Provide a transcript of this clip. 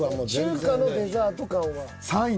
中華のデザート感は。